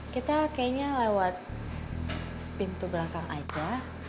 kita kayaknya lewat pintu belakang aja